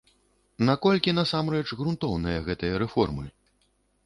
Наколькі насамрэч грунтоўныя гэтыя рэформы?